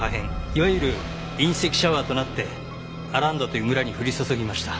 いわゆる隕石シャワーとなってアランダという村に降り注ぎました。